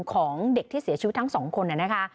ของเด็กที่เสียชีวิตทั้งสองคนนะคะ